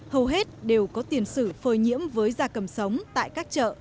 hầu hết đều có tiền sử phơi nhiễm với da cầm sống tại các chợ